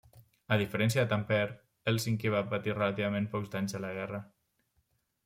A diferència de Tampere, Hèlsinki va patir relativament pocs danys a la guerra.